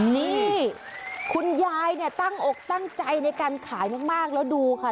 นี่คุณยายเนี่ยตั้งอกตั้งใจในการขายมากแล้วดูค่ะ